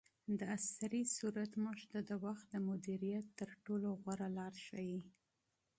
دعصري سورت موږ ته د وخت د مدیریت تر ټولو غوره لار ښیي.